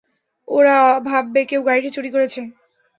ওরা ভাববে কেউ গাড়িটা চুরি করেছে।